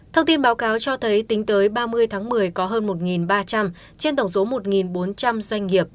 thông tin báo cáo cho thấy tính tới ba mươi tháng một mươi có hơn một ba trăm linh trên tổng số một bốn trăm linh doanh nghiệp